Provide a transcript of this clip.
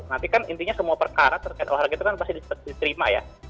nanti kan intinya semua perkara terkait olahraga itu kan pasti diterima ya